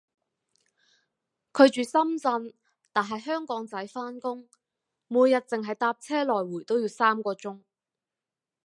佢住深圳但喺香港仔返工，每日淨係搭車來回都要三個鐘